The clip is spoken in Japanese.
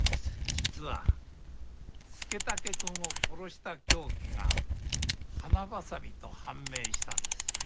実は佐武くんを殺した凶器が花バサミと判明したんです。